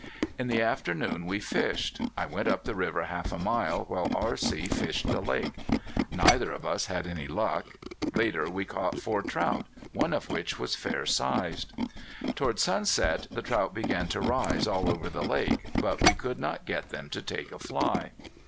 In the afternoon we fished. I went up the river half a mile, while R.C. fished the lake. Neither of us had any luck. Later we caught four trout, one of which was fair sized. Toward sunset the trout began to rise all over the lake, but we could not get them to take a fly.